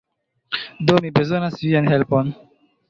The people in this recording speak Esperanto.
Do, mi bezonas vian helpon.